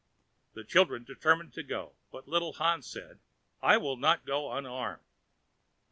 The children determined to go, but little Hans said: "I will not go unarmed!"